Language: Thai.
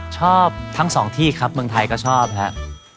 ชอบทั้งสองที่ครับเมืองไทยก็ชอบครับ